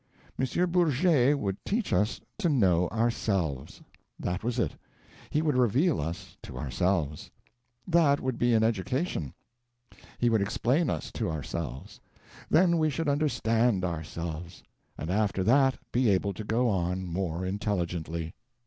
M. Bourget would teach us to know ourselves; that was it: he would reveal us to ourselves. That would be an education. He would explain us to ourselves. Then we should understand ourselves; and after that be able to go on more intelligently.